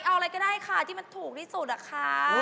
เอาอะไรก็ได้ค่ะที่มันถูกที่สุดอะคะ